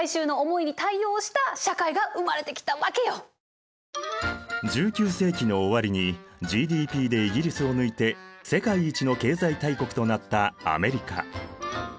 えっと確かそれまでの１９世紀の終わりにＧＤＰでイギリスを抜いて世界一の経済大国となったアメリカ。